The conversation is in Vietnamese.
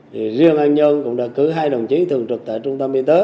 thì riêng an nhơn cũng đã cử hai đồng chí thường trực tại trung tâm y tế